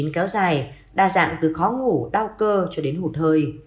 kéo dài đa dạng từ khó ngủ đau cơ cho đến hụt hơi